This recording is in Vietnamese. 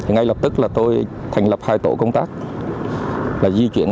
ngay lập tức là tôi thành lập hai tổ công tác